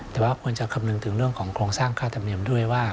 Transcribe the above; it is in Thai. ต้องถึงเรื่องของโครงสร้างค่าธรรมเนียมด้วยว่า